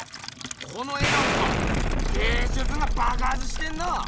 この絵なんか芸術がばくはつしてんな！